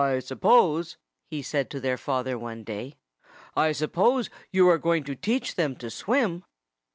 "I suppose " he said to their father one day "I suppose you are going to teach them to swim?"